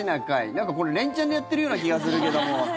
なんかこれ、連チャンでやってるような気がするけども。